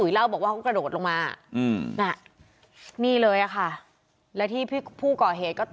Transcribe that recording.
อุ๋ยเล่าบอกว่ากระโดดลงมานี่เลยอ่ะค่ะแล้วที่ผู้ก่อเหตุ